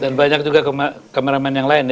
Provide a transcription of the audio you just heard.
dan banyak juga kameramen yang lain ya